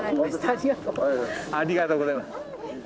ありがとうございます。